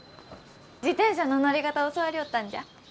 自転車の乗り方教わりょうったんじゃ。